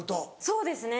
そうですね